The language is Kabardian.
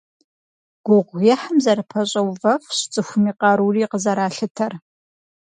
Гугъуехьым зэрыпэщӀэувэфщ цӀыхум и къарури къызэралъытэр.